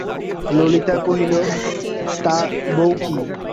ললিতা কহিল, তা বৈকি!